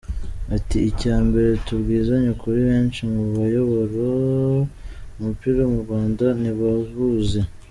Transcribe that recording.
Ati "Icya mbere tubwizanye ukuri benshi mu bayobora umupira mu Rwanda ntibawuzi.